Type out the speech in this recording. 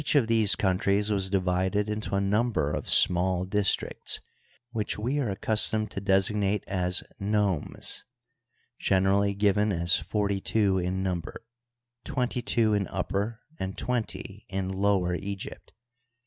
of these countries was divided into a number of small dis tricts, which we are accustomed to designate as nomes, generally given as forty two in number, twenty two in Upper and twenty in Lower Egypt.